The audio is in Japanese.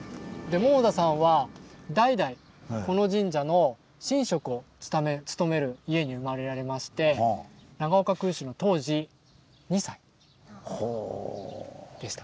桃田さんは代々この神社の神職を務める家に生まれられまして長岡空襲の当時２歳でした。